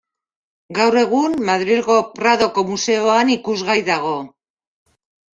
Gaur egun, Madrilgo Pradoko Museoan ikusgai dago.